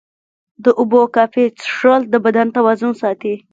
د اوبو کافي څښل د بدن توازن ساتي.